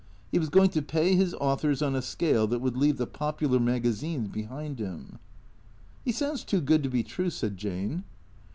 He was going to pay his authors on a scale that would leave the popular magazines be hind him. " He sounds too good to be true," said Jane.